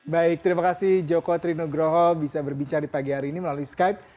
baik terima kasih joko trinugroho bisa berbicara di pagi hari ini melalui skype